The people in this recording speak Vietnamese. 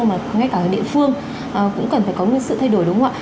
mà ngay cả ở địa phương cũng cần phải có một sự thay đổi đúng không ạ